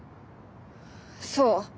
そう。